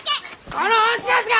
この恩知らずが！